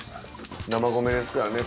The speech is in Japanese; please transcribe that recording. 生米ですからね